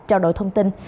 trao đổi thông tin